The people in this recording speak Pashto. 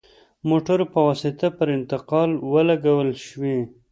موټرو په واسطه پر انتقال ولګول شوې.